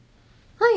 はい。